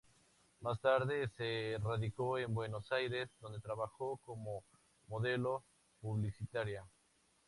Más tarde se radicó en Buenos Aires, donde trabajó como modelo publicitaria.